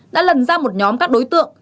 đã lần ra một nhóm các đối tượng